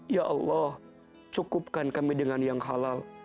ya allah cukupkan kami dengan yang halal